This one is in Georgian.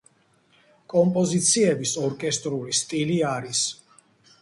კომპოზიციების ორკესტრული სტილის არის.